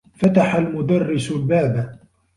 فتح المدرّس الباب.